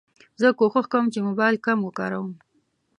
زه کوښښ کوم چې موبایل کم وکاروم.